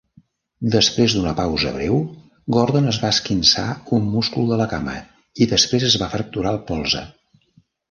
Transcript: Després d'una pausa breu, Gordon es va esquinçar un múscul de la cama i després es va fracturar el polze.